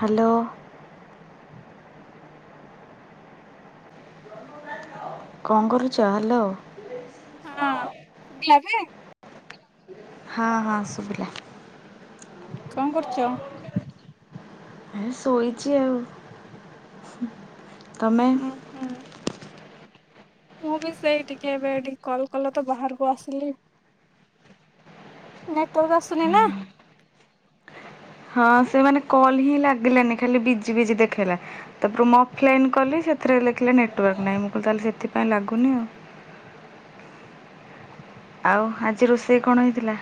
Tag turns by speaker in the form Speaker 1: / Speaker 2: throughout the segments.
Speaker 1: Hello. କଣ କରୁଛ hello.
Speaker 2: ହଁ। [unintelligible]
Speaker 1: ହଁ ହଁ ଶୁଭିଲା।
Speaker 2: କଣ କରୁଛ?
Speaker 1: ଏ ଶୋଇଚି ଆଉ, ତମେ?
Speaker 2: ଉଁ ହୁଁ। ମୁଁ ବି ସେଇ ଟିକେ ଏବେ ଟିକେ କଲ୍ କଲ ତ ବାହାରକୁ ଆସିଲି। ନେଟୱାର୍କ ଆସୁନି ନା।
Speaker 1: ହଁ ସେ ମାନେ କଲ୍ ହିଁ ଲାଗିଲାନି ଖାଲି ବିଜି-ବିଜି ଦେଖେଇଲା। ତାପରେ ମୁଁ ଅଫଲାଇନ୍ କଲି ସେଥିରେ ଲେଖିଲା ନେଟୱାର୍କ ନାହିଁ, ମୁଁ କହିଲି ତାହେଲେ ସେଥିପାଇଁ ଲାଗୁନି ଆଉ। ଆଉ ଆଜି ରୋଷେଇ କଣ ହେଇଥିଲା?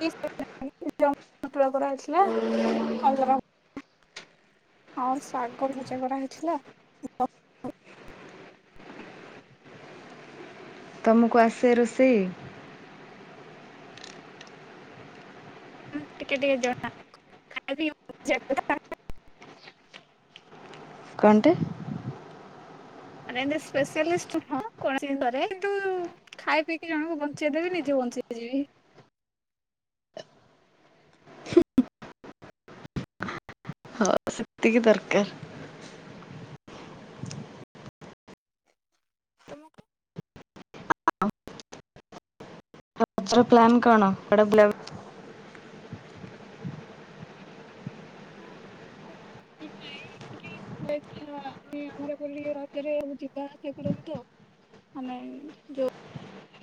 Speaker 2: [unintelligible] କରାହେଇଥିଲା ଆଉ ଆଉ ଶାଗ ଭଜା କରାହେଇଥିଲା।
Speaker 1: ତୁମୁକୁ ଆସେ ରୋଷେଇ?
Speaker 2: ଟିକେ-ଟିକେ ଜଣା ଖାଇ ପିଇ [unintelligible]
Speaker 1: କଣ ଟେ?
Speaker 2: ମାନେ ଏମିତି ସ୍ପେଶିଆଲିଷ୍ଟ ନୁହଁ [unintelligible] କରେ କିନ୍ତୁ ଖାଇ ପିଇକି ଜଣଙ୍କୁ ବଞ୍ଚେଇ ଦେବି ନିଜେ ବଞ୍ଚି ଯିବି।
Speaker 1: ସେତିକି ଦରକାର୍।
Speaker 2: ତମୁକୁ
Speaker 1: ଏଥର ପ୍ଲାନ୍ କଣ [unintelligible]
Speaker 2: [unintelligible] [unintelligible] ମାନେ ଯୋଉ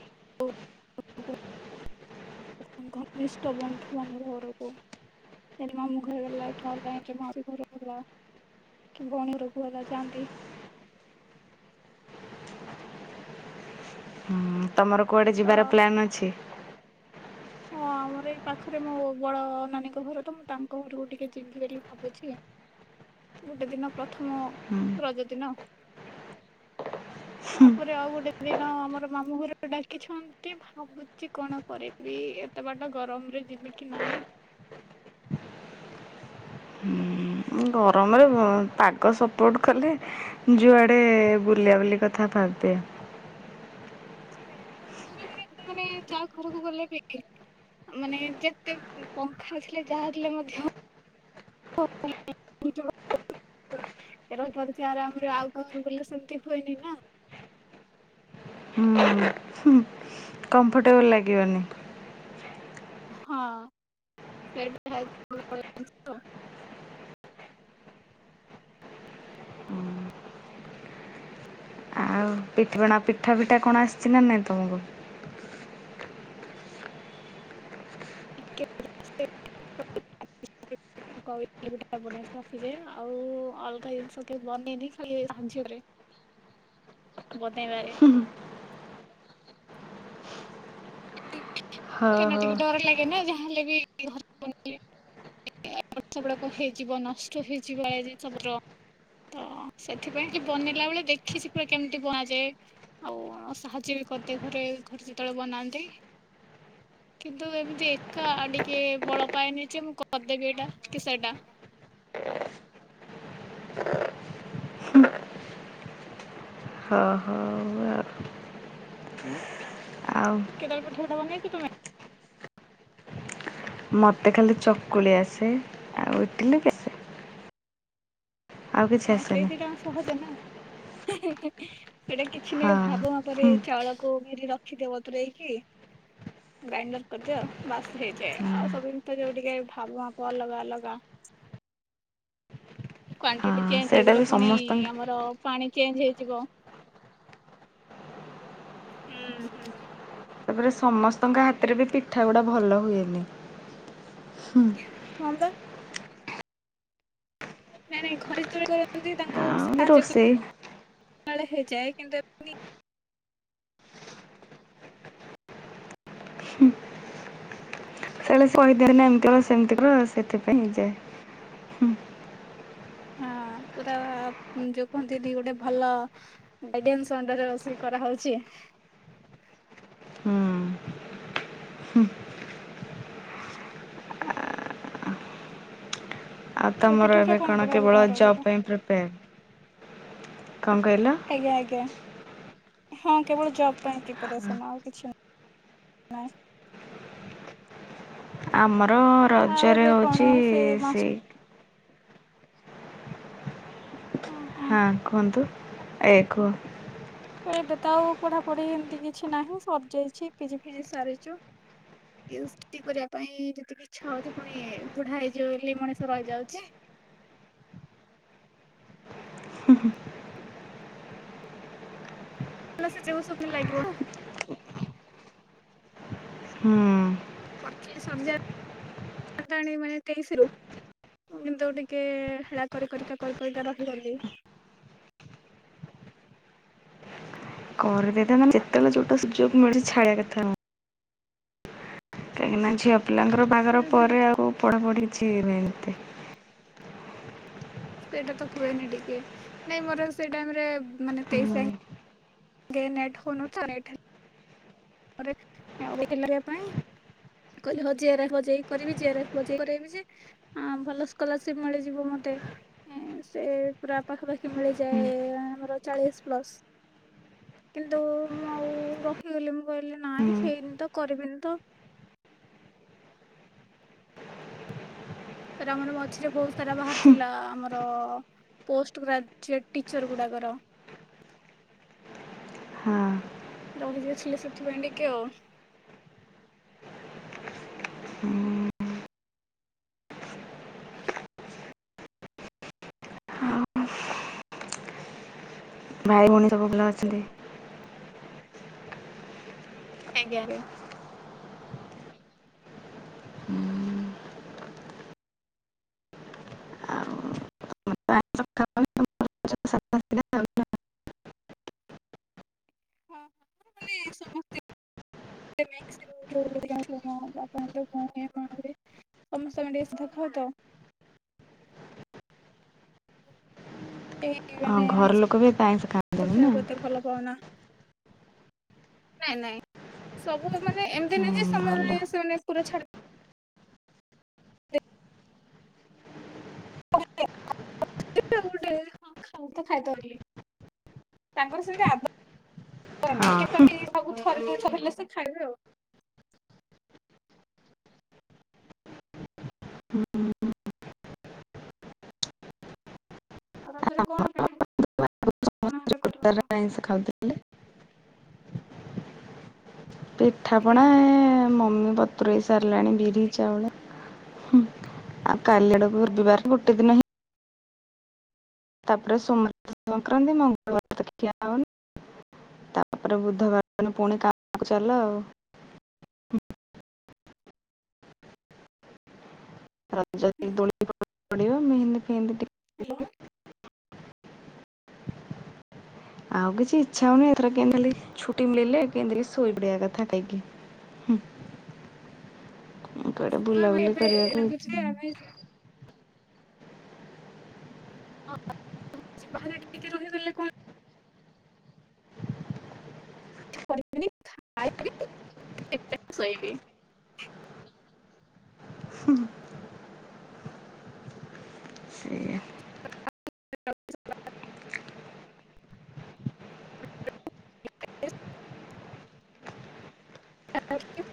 Speaker 2: [unintelligible] ଘନିଷ୍ଠ ବନ୍ଧୁ ବାନ୍ଧବ ଘରକୁ। ସେଠି ମାମୁଁ ଘର ଗଲ କି [unintelligible] ମାଉସି ଘର ଗଲ କି ଭଉଣୀ ଘର କୁ [unintelligible] ଯାଆନ୍ତି।
Speaker 1: ହୁଁ ତମର କୁଆଡେ
Speaker 2: ତ
Speaker 1: ଯିବାର ପ୍ଲନ୍ ଅଛି?
Speaker 2: ହଁ ଆମର ଏଇ ପାଖରେ ମୋ ବଡ ନାନୀଙ୍କ ଘର ତ ମୁଁ ତାଙ୍କ ଘରକୁ ଟିକେ ଯିବି ବୋଲି ଭାବୁଛି।
Speaker 1: ହ
Speaker 2: ଗୋଟେ ଦିନ ପ୍ରଥମ ରଜ ଦିନ। ତାପରେ ଆଉ ଗୋଟେ ଦିନ ଆମର ମାମୁଁ ଘର ଡାକିଛନ୍ତି ଭାବୁଚି କଣ କରିବି। ବି ଏତେ ବାଟ ଗରମରେ ଯିବ କି ନାଇଁ।
Speaker 1: ହୁଁ। ଗରମରେ ପାଗ ସପୋର୍ଟ କଲେ ଯୁଆଡେ ବୁଲିଆ ବୁଲି କଥା ଭାବିଆ।
Speaker 2: ଗରମରେ ମାନେ ଯାହା ଘରକୁ ଗଲେ ବି [unintelligible] ମାନେ ଯେତେ ପଙ୍ଖାଥିଲେ ଯାହା ଥିଲେ ମଧ୍ୟ
Speaker 1: ହ
Speaker 2: ରହିପରୁଚେ ଆରାମରେ ଆଉ କାହା ଘରକୁ ଗଲେ ସେମିତି ହୁଏନି ନା।
Speaker 1: ହୁଁ-ହୁଁ-ହୁଁ। କନଫର୍ଟେବଲ୍ ଲାଗିବନି।
Speaker 2: ହଁ ସେ [unintelligible]
Speaker 1: ଆଉ ପିଠପଣା ପିଠା ଫିଠା କଣ ଆସିଚି ନା ନାଇଁ ତମକୁ?
Speaker 2: [unintelligible] ଆଉ ଅଲଗା ଜିନିଷ କେବେ ବନେଇନି ଖାଲି [unintelligible]
Speaker 1: ହ
Speaker 2: ବନେଇବାରେ
Speaker 1: ହଁ
Speaker 2: କାଇଁନା
Speaker 1: ହଁ।
Speaker 2: ଟିକେ ଡର ଲାଗେ ନା ଯାହାହେଲେ ବି ଘରେ [unintelligible] ଏପଟ ସେପଟ କଣ ହେଇଯିବ ନଷ୍ଟ ହେଇଯିବ ଏ ଜିନିଷ ପତର। ତ ସେଥିପାଇଁ କି ବନେଇଲା ବେଳେ ଦେଖିଛି ପୁରା କେମିତି ବନାଯାଏ। ଆଉ ସାହାଯ୍ୟ ବି କରିଦେ ଘରେ ଘରେ ଯେତେବେଳେ ବନାନ୍ତି। କିନ୍ତୁ ଏମିତି ଏକା ଟିକେ ବଳ ପାଏନି ଯେ ମୁଁ କରିଦେବି ଏଇଟା କି ସେଇଟା।
Speaker 1: ହଁ ହଁ। ଆଉ
Speaker 2: କେଦାର ପଠେଇଦେବନି କି ତୁମେ‌।
Speaker 1: ମତେ ଖାଲି ଚକୁଳି ଆସେ ଆଉ ଇଟିଲୀ କେ ଆଉ କିଛି
Speaker 2: ହଁ
Speaker 1: ଆସେନି
Speaker 2: ସେଇଦିଟା ଯାଙ୍କ ସହଜ ନା ହେଁ ହେଁ ହେଁ ସେଇଟା କିଛି
Speaker 1: ହଁ
Speaker 2: ନାହିଁ ଭାବ ମାପରେ
Speaker 1: ହୁଁ
Speaker 2: ଚାଉଳକୁ ବିରି ରଖିଦିଅ ବତୁରେଇ କି
Speaker 1: ହ
Speaker 2: ଗ୍ରାଇଣ୍ଡର କରିଦିଅ ବାସ ହେଇଯାଏ। ଆଉ ସବୁ ଜିନିଷ ଯୋଉ ଟିକେ ଭାବ ମାପ ଅଲଗା ଅଲଗା।
Speaker 1: ହଁ
Speaker 2: କ୍ଵଣ୍ଟିଟି ଚେଞ୍ଜ
Speaker 1: ସେଇଟା
Speaker 2: ହେଇଗଲେ
Speaker 1: ବି
Speaker 2: ପୁଣି
Speaker 1: ସମସ୍ତଙ୍କ
Speaker 2: ଆମର ପାଣି ଚେଞ୍ଜ ହେଇଯିବ ହୁଁ ହୁଁ।
Speaker 1: ତାପରେ ସମସ୍ତଙ୍କ ହାତରେ ବି ପିଠାଗୁଡା ଭଲ ହୁଏନି।
Speaker 2: ହଁ ବା। ନା ନାଇ ଘରେ ଯେତେଳେ କରନ୍ତି ତାଙ୍କୁ
Speaker 1: ବି ରୋଷେଇ
Speaker 2: କାଳେ ହେଇଯାଏ କିନ୍ତୁ ଏପିନି
Speaker 1: ସେତେଳେ କହିଦେବେ ନା ଏମିତି କର ସେମିତି କର ସେଥିପାଇଁ ହେଇଯାଏ।
Speaker 2: ହଁ ପୁରା ଯୋଉ କହନ୍ତିନି ଗୋଟେ ଭଲ ଗାଇଡନ୍ସ ଅଣ୍ଡର ବସି କରାହେଉଛି।
Speaker 1: ହୁଁ ଆଉ
Speaker 2: ଏ ପିଠା
Speaker 1: ତମର
Speaker 2: ପିଠା
Speaker 1: ଏବେ କଣ
Speaker 2: କରାହବ
Speaker 1: କେବଳ
Speaker 2: ତମର
Speaker 1: ଜବ
Speaker 2: ରଜରେ
Speaker 1: ପାଇଁ ପ୍ରିପେୟାର? କଣ କହିଲ?
Speaker 2: ଆଜ୍ଞା ଆଜ୍ଞା। ହଁ କେବଳ ଜବ୍ ପାଇଁ ପ୍ରିପାରେସନ୍ ଆଉ କିଛି ନାହିଁ।
Speaker 1: ଆମର
Speaker 2: ନାହିଁ ଆଉ
Speaker 1: ରଜରେ
Speaker 2: ଏବେ
Speaker 1: ହେଉଛି
Speaker 2: କଣ ସେ ମାସ୍
Speaker 1: ସେଇ
Speaker 2: ହଁ ହଁ।
Speaker 1: ହଁ କୁହନ୍ତୁ। ଏ କୁହ।
Speaker 2: ତ ଏବେ ତ ଆଉ ପଢାପଢି ଏମିତି କିଛି ନାହିଁ ସରିଯାଇଛି ପିଜି ଫିଜି ସାରିଛୁ। ୟ [unintelligible] କରିବା ପାଇଁ ଯେତିକି ଇଛା ହଉଛି ପୁଣି ବୁଢା ହେଇଯିବ ବୋଲି ମଣିଷ ରହିଯାଉଛି। ହେଲେ ସେ ଯିବ ସବ ରେ ଲାଗିବ ନା।
Speaker 1: ହୁଁ।
Speaker 2: କରିଥିଲି ସରିଯାଇ ଥାନ୍ତାନି ମାନେ ତେଇଶ ରୁ। କିନ୍ତୁ ଟିକେ ହେଳା କରିି କରିକା କରିି କରିକା ରହିଗଲି।
Speaker 1: କରିଦେଇଥାନ୍ତା ନା ଯେତେବେଳେ ଯୋଉଟା ସୁଯୋଗ ମିଳୁଛି ଛାଡିବା କଥା ନୁହଁ। କାହିଁକିନା ଝିଅ ପିଲାଙ୍କର ବାହାଘର
Speaker 2: ହୁଁ ହୁଁ।
Speaker 1: ପରେ ଆଉ ପଢ଼ାପଢ଼ି କିଛି ହୁଏନି ହେତେ।
Speaker 2: ସେଇଟା ତ ହୁଏନି ଟିକେ ନାଇଁ ମୋର ସେଇ ଟାଇମ ରେ ମାନେ
Speaker 1: ହୁଁ
Speaker 2: ତେଇଶି ଜାଙ୍କେ ଗେ ନେଟ ହଉନଥିଲା ନେଟ ହେ ତାପରେ ଆଉଟିକେ [unintelligible] ପାଇ। କହିଲି ହ ଜେରା ହଜେଇ କରିବି ଜେରା ହଜେଇ କରେଇବି ଯେ ହଁ ଭଲ ସ୍କଲାରସିପି ମିଳିଯିବ ମତେ। ସେ ପୁରା ପାଖାପାଖି
Speaker 1: ହୁଁ
Speaker 2: ମିଳିଯାଏ। ଆମର ଚାଳିଶି ପ୍ଲସ୍। କିନ୍ତୁ ମୁଁ ଆଉ ରହିଗଲି ମୁଁ କହିଲି ନାଇଁ ହେଇନି ତ କରିବିନି ତ। ତାର ଆମର ମଝିରେ ବହୁତ ସାରା ବାହାରି ଥିଲା ଆମର ପୋଷ୍ଟ ଗ୍ରାଜୁଏଟ ଟିଚର୍ ଗୁଡ଼ାକର।
Speaker 1: ହଁ।
Speaker 2: ରହିଯାଇଥିଲି ସେଥିପାଇଁ ଟିକେ ଆଉ।
Speaker 1: ହୁଁ। ଭାଇ ଭୋଉଣୀ ସବୁ ଭଲ ଅଛନ୍ତି?
Speaker 2: ଆଜ୍ଞା ଆଜ୍ଞା।
Speaker 1: ଆଉ
Speaker 2: ହଁ [unintelligible] ମାନେ ସମସ୍ତେ। [unintelligible] ତମେ [unintelligible] ଦେଖ ତ। ଏଇ
Speaker 1: ହଁ
Speaker 2: ମାନେ
Speaker 1: ଘର ଲୋକ ବି ଏତେ
Speaker 2: ଆଇଁଷ
Speaker 1: ଖାଆନ୍ତିନି ନା
Speaker 2: ଖାଇବାକୁ ଏତେ ଭଲ ପାଅନା। ନାଇଁ ନାଇଁ ସବୁ ମାନେ ଏମିତି
Speaker 1: ହୁଁ
Speaker 2: ନାଇଁ ଯେ ସମଦାୟ
Speaker 1: ଭଲ
Speaker 2: ସେମାନେ ସେମାନେ ପୁରା ଛାଡି ଗୋଟେ ହଁ ତ ଖାଉତ ଖାଇଦୋଲି [unintelligible] ତାଙ୍କର ସେ ଆଦ
Speaker 1: ହଁ
Speaker 2: ସବୁ ଥରିକ ଥରିଲେ ସେ ଖାଇବେ ଆଉ। [unintelligible] ଆଉ ରଜରେ କଣ ପିଠା ପଣା କଣ ହେଲେ କରିବ
Speaker 1: ତାର
Speaker 2: [unintelligible]
Speaker 1: ଆଇଁଷ ଖାଉଥିଲେ। ପିଠା ପଣା
Speaker 2: ଆଜ୍ଞା
Speaker 1: ଏ ମମି ବ ତୁରେଇ ସାରିଲାଣି ବିରି ଚାଉଳ ହୁଁ। ଆଉ କାଲି ଆଡକୁ ବୁଧୁବାର ଗୋଟେ ଦିନ ହିଁ ତାପରେ ସୋମବାରେ ସଂକ୍ରାନ୍ତି ମଙ୍ଗଳବାରେ ତ ଖିଆହବନି। ତାପରେ ବୁଧବାର ଦିନେ ପୁଣି କାମକୁ ଚାଲ ଆଉ। ରଜରେ
Speaker 2: ହୁଁ
Speaker 1: ଦୋଳି ପଡିବ। ମେହେନ୍ଦୀ ଫେହେନ୍ଦି ଟିକେ
Speaker 2: ହାଲୋ।
Speaker 1: ଆଉ କିଛି ଇଚ୍ଛା ହୋଉନି ଏଥର କେମିତି ଖାଲି ଛୁଟି ମିଳିଲେ କେମିତି ଟିକେ ଶୋଇ ପଡିବା କଥା ଖାଇକି। ଆଉ କୁଆଡେ
Speaker 2: ଆମେ
Speaker 1: ବୁଲାବୁଲି
Speaker 2: ଏବେ
Speaker 1: କରିବାକୁ
Speaker 2: ଲାଗୁଛି
Speaker 1: ଇଚ୍ଛା
Speaker 2: ଯେ ଆମେ
Speaker 1: ନାଇଁ।
Speaker 2: ହଁ [unintelligible] ବାହାରେ ଟିକେ ରହିଗଲେ କଣ କିଛି କରିବିନି ଖାଇବି ଖାଲି ଶୋଇବି।
Speaker 1: ହୁଁ। ସେଇଆ।
Speaker 2: [inaudible] [inaudible] [unintelligible]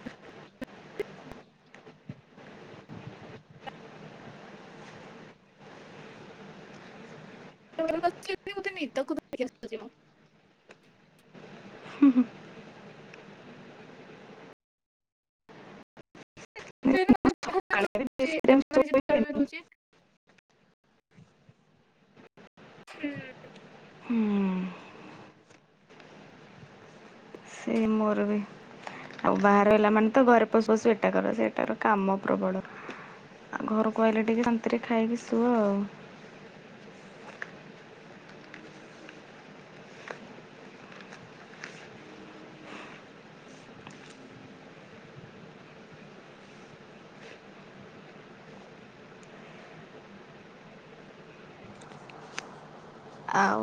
Speaker 2: ଘରେ କହିଲେ ସେ [inaudible] ନିଦକୁ ଧରିକି ଆସୁଚି ମ
Speaker 1: ହୁଁ ହୁଁ।
Speaker 2: [inaudible] ମାନେ
Speaker 1: ସକାଳେ ବି
Speaker 2: ଯେତେ
Speaker 1: ବେଶୀ ଟାଇମ୍
Speaker 2: ବେଳେବେଳେ
Speaker 1: ଶୋଇ ହୁଏନି।
Speaker 2: ବି ରହୁଚି। ହୁଁ।
Speaker 1: ହୁଁ ସେଇ ମୋର ବି। ଆଉ ବାହାରେ ରହିଲା ମାନେ ତ ଘରେ ପସୁପସୁ ଏଟା କର ସେଟା କର କାମ ପ୍ରବଳ। ଆ ଘରକୁ ଆଇଲେ ଟିକେ ଶାନ୍ତିରେ ଖାଇକି ଶୁଅ ଆଉ।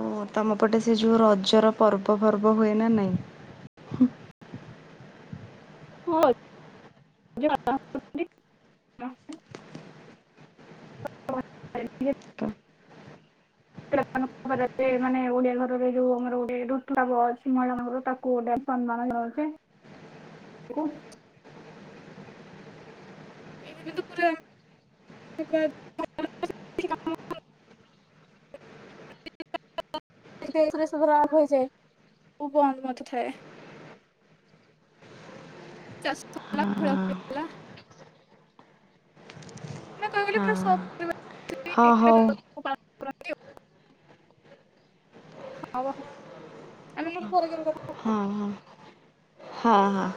Speaker 1: ଓ ତମ ପଟେ ସେ ଯୋଉ ରଜର ପର୍ବଫର୍ବ ହୁଏ ନା ନାଇଁ?
Speaker 2: ହଁ [inaudible] [inaudible] [inaudible] ମାନେ ଓଡିଆ ଘରରେ ଯୋଉ [unintelligible] ମୋର ଗୋଟେ ଋତୁଶ୍ରାବ ଅଛି। ମହିଳାମାନଙ୍କର ତାକୁ ଗୋଟେ ସନ୍ନମାନ ଜଣୋଉଚି। [inaudible] ଏ ଦିନ ତ ପୁରା [unintelligible] [inaudible]
Speaker 1: [inaudible]
Speaker 2: [unintelligible] ଏଇଥିରେ ଏଇଥିରେ ସବୁ [unintelligible] ହେଇଯାଏ ସବୁ ବନ୍ଦ ମଧ୍ୟ ଥାଏ।
Speaker 1: [inaudible]
Speaker 2: [unintelligible] ଖୋଳା
Speaker 1: ହଁ
Speaker 2: ଖୋଳି
Speaker 1: ହଁ
Speaker 2: ହେଲା। ମାନେ କଣ କହିଲୁ ପୁରା [inaudible]
Speaker 1: ହଁ ହୋଉ।
Speaker 2: [inaudible] ହଁ ବା ଆମେ କେବେ ପରେ କେବେ କଥା
Speaker 1: ହଁ ହଁ। ହଁ ହଁ।